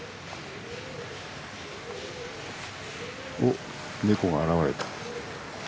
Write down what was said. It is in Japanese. おっネコが現れた。